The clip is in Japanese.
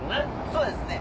そうですね。